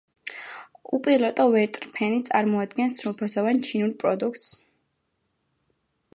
უპილოტო ვერტმფრენი წარმოადგენს სრულფასოვან ჩინურ პროდუქტს.